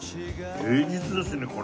芸術ですねこれ。